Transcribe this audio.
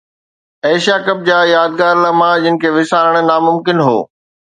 Asia cup جا يادگار لمحا جن کي وسارڻ ناممڪن هو